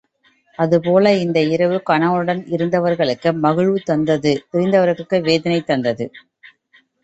அதுபோல இந்த இரவு கணவனுடன் இருந்தவர்களுக்கு மகிழ்வு தந்தது பிரிந்தவர்களுக்கு வேதனை தந்தது.